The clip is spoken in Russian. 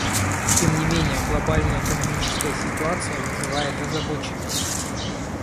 Тем не менее, глобальная экономическая ситуация вызывает озабоченность.